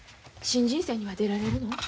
新人戦には出られるの？